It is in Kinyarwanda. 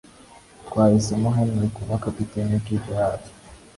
Twahisemo Henry kuba kapiteni w'ikipe yacu.